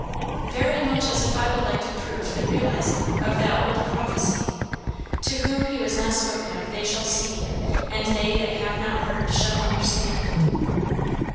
"Very much as if I would like to prove the realizing of that old prophecy 'To whom he was not spoken of, they shall see; and they that have not heard shall understand.'"